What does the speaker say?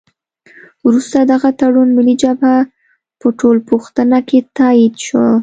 وروسته دغه تړون ملي جبهه په ټولپوښتنه کې تایید شو.